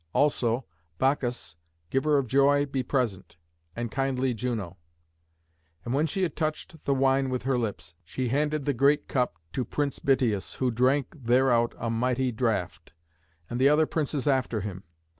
Also, Bacchus, giver of joy, be present, and kindly Juno." And when she had touched the wine with her lips, she handed the great cup to Prince Bitias, who drank thereout a mighty draught, and the other princes after him.